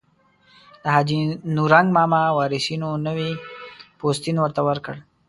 د حاجي نورنګ ماما وارثینو نوی پوستین ورته ورکړ.